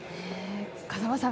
風間さん